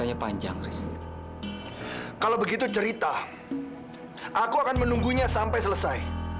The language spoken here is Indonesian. aku akan menunggunya sampai selesai